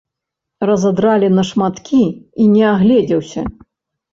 Разадралі на шматкі, і не агледзеўся.